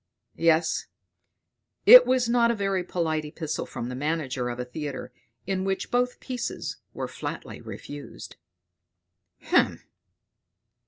Yes; it was not a very polite epistle from the manager of a theatre, in which both pieces were flatly refused. "Hem!